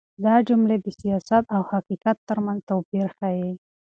دا جملې د سياست او حقيقت تر منځ توپير ښيي.